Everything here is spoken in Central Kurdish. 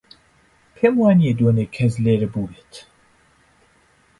پێم وانییە دوێنێ کەس لێرە بووبێت.